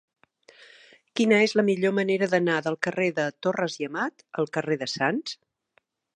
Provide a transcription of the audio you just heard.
Quina és la millor manera d'anar del carrer de Torres i Amat al carrer de Sants?